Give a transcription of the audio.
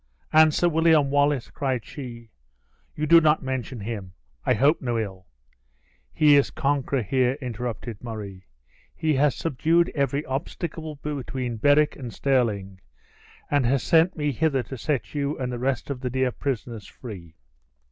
"And Sir William Wallace?" cried she; "you do not mention him. I hope no ill " "He is conqueror here!" interrupted Murray. "He has subdued every obstacle between Berwick and Stirling; and he has sent me hither to set you and the rest of the dear prisoners free."